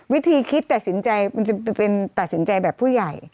วิธีคิดตัดสินใจมันจะเป็นตัดสินใจแบบผู้ใหญ่